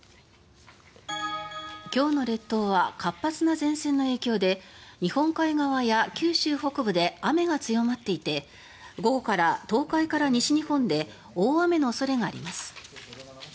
今日の列島は活発な前線の影響で日本海側や九州北部で雨が強まっていて午後から東海から西日本で大雨の恐れがあります。